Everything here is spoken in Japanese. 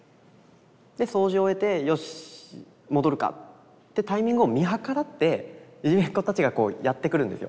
で掃除を終えてよし戻るかってタイミングを見計らっていじめっ子たちがやって来るんですよ。